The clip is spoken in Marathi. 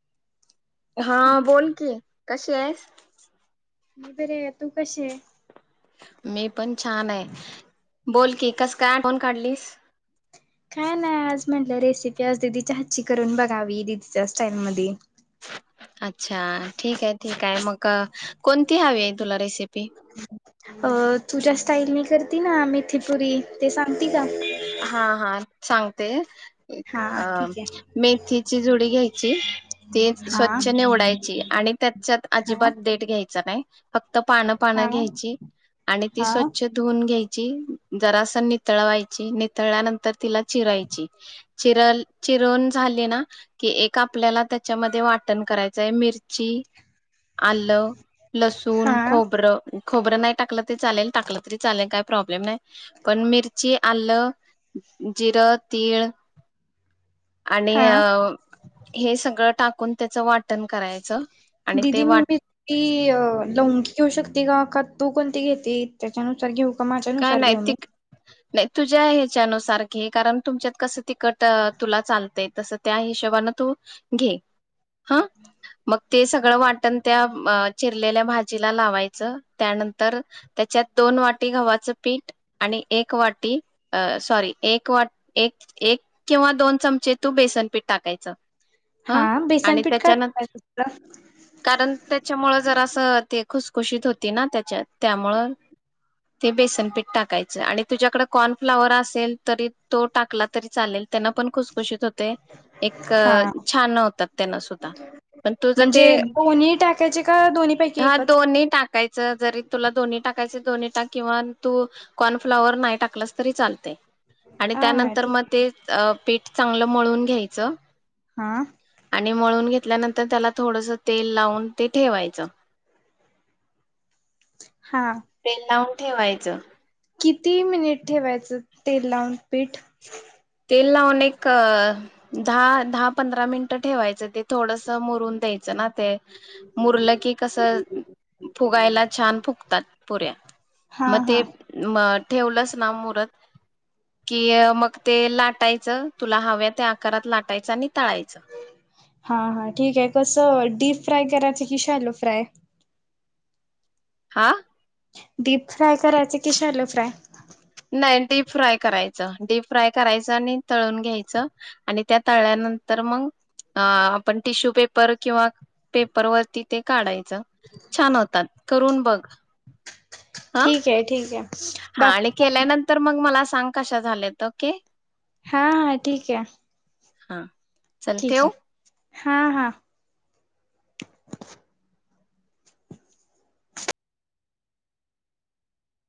[inaudible] हा बोल की कशी आहेस? बरे हे तू कशी हे मी पण छान हे बोलकी कसकाय [unintelligible] काढलीस काय नाही आज म्हण रेसिपी आज दीदीच्या हातची करून बघावी दीदीच्या स्टाईल मधे अच्छा ठीक हे ठीक आहे मग अ, कोणती हवी हे तुला रेसिपी? अ तुझ्या स्टाईल नि कर ना मिथीपुरी ते सा हा हा सांगते हा अ ठीक आहे मेथीची जूडी घ्यायची, ते हा स्वच्छ निवडायची, आणि त्यातच्यात हा अजिबात देट घ्यायचा नाही फक्त पानं हा पानं घ्यायची आणि ती हा स्वच्छ धुवून घ्याय जरास नीतळवाय नितरल्यानंतर तिला चिरायची, चिरल चिरून झाली ना कि, एक आपल्याला त्याच्यामध्ये वाटण करायचंय मिरची आलं लसूण, हा खोबरं खोबरं नाही टाकलं तरी चालेल, टाकलं तरी चालेल काही प्रॉब्लेम नाही, पण मिरची आल, जिरं, तिळ आणि हा अ हे सगळं टाकून त्याच वाटण करायचं, आणि ते दिदी मी वाट [unintelligible] लवंगी घेऊ शकते का, का तू कोणती घेती त्याच्यानुसार घेऊ? काय माझ्यानुसार नाही घेऊ ते मी नाही तुझ्या ह्याच्यानुसार घे कारण तुमच्यात कसं तिकट तुला चालतय तसं त्या हिशोबान तू घे हा मग ते सगळं वाटण त्या आ चिरलेल्या भाजीला लावायचं त्यानंतर त्याच्यात दोन वाटी गव्हाच च् पीठ आणि एक वाटी सॉरी एक एक एक किंवा दोन चमचे तू बेसन पीठ टाकायचं ह हा आणि बेसनपीठ काय त्याच्यान टाकायचं असतं? कारण त्याच्यामुळ जरास ते खुसखुशीत होती ना त्याच्यात त्यामुळं ते बेसनपीठ टाकायचं आणि तुझ्याकडे कॉर्नफ्लाॉवर असेल तरी तो टाकला तरी चालेल त्यांना पण खुसखुशीत होत एक हा छान होतात त्यांना सुद्धा पण तुझ ते म्हणजे दोन्ही टाकायचे का दोन्हीपैकी हा एकच? दोन्ही टाकायच जरी तुला दोन् टाकायचे दोन्ही पण किंवा तू कॉर्नफ्लॉवर नाही टाकलास तरी चालते आणि हा हा त्यानंतर ठीक मग आहे ते पीठ चांगलं मळून घ्यायचं हा आणि मळून घेत घेतल्यानंतर त्याला थोडस तेल लावून ते ठेवायचं. हा तेल लावून ठेवायचं किती मिनिट ठेवायचं तेल लावून पीठ तेल लावून एक दहा दहा पंधरा मिनिटं ठेवायचं ते थोडस मुरून द्यायचं ना ते मुरलं की कसं फुगायला छान फुगतात. पुऱ्या हा मग हा ते मग ठेवलंच ना मुरत. कि मग ते लाटायचं तुला हव्या त्या आकारात लाटायचं आणि तळायचं. हा हा ठीक आहे कसं डीप फ्राय करायचं की शालो फ्राय हा डीप फ्राय करायच की शोलो फ्राय नाही डीप फ्राय करायचं डीप फ्राय करायचं आणि तळून घ्यायचं आणि त्या तळल्यानंतर मग अ आपण टिश्यू पेपर पर किंवा पेपर वरती ते काढायचं छान होतात करून बग ठीक आहे ठीक आहे हा आणि बाकी केल्यानंतर मग मग मला सांग कशा झाल्यात? ओके हा हा ठीक आहे हा चल ठीक आहे. ठेवू हा हा